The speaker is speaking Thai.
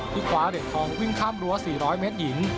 ที่ขวาเดชทองวิ่งข้ามรั้ว๔๐๐เมตรหญิง